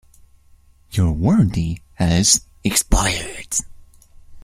Your warranty has expired.